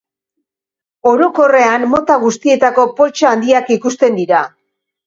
Orokorrean, mota guztietako poltsa handiak ikusten dira.